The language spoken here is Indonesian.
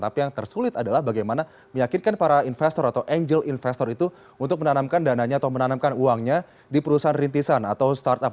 tapi yang tersulit adalah bagaimana meyakinkan para investor atau angel investor itu untuk menanamkan dananya atau menanamkan uangnya di perusahaan rintisan atau startup